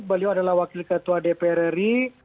beliau adalah wakil ketua dpr ri